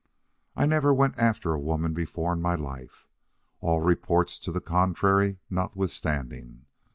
"I never went after a woman before in my life, all reports to the contrary not withstanding.